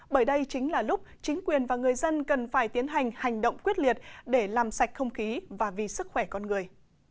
bởi đây chính là lúc chính quyền và người dân cần phải tiến hành hành động quyết liệt để làm sạch không khí và vì sức khỏe con người